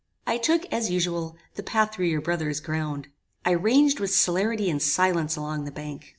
"I took, as usual, the path through your brother's ground. I ranged with celerity and silence along the bank.